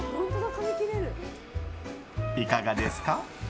いかがですか？